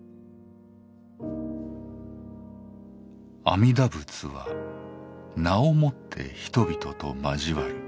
「阿弥陀仏は『名』をもって人々と交わる。